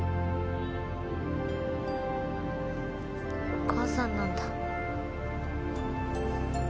お母さんなんだ。